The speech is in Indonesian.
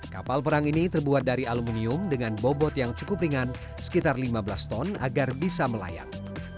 kapal perang ini terbuat dari aluminium dengan bobot yang cukup ringan sekitar lima belas ton agar bisa melayang